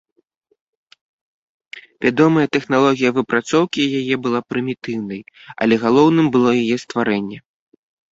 Вядомая тэхналогія выпрацоўкі яе была прымітыўнай, але галоўным было яе стварэнне.